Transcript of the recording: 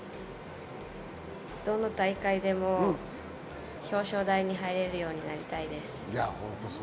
どの大会でも表彰台に入れるようになりたいです。